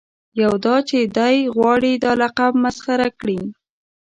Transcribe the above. یو دا چې دای غواړي دا لقب مسخره کړي.